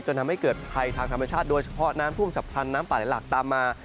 ทำให้เกิดภัยทางธรรมชาติโดยเฉพาะน้ำท่วมฉับพลันน้ำป่าไหลหลากตามมา